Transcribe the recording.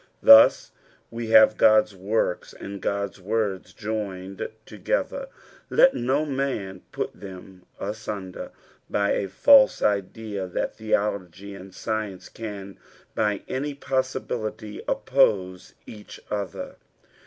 Thus ae haoe Qoda works and God's word joined together: let no n\an put Ihem asunder by a false idea that Uieology and seSent:e can by any poasibUily oppose each other.